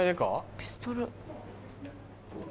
ピストル。